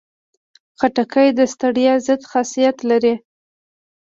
خټکی د ستړیا ضد خاصیت لري.